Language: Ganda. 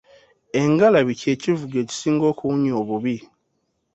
Engalabi kye kivuga ekisinga okuwunya obubi.